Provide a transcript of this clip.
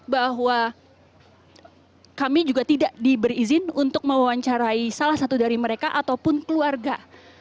bahwa kami juga tidak diberi izin untuk mewawancarai salah satu dari mereka ataupun keluarga